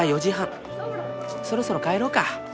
そろそろ帰ろうか。